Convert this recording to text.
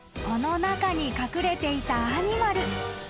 ［この中に隠れていたアニマル。